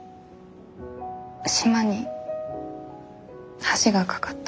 島に橋が架かった。